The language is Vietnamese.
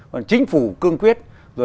còn chính phủ cương quyết